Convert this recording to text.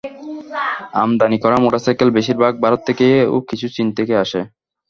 আমদানি করা মোটরসাইকেল বেশির ভাগ ভারত থেকে ও কিছু চীন থেকে আসে।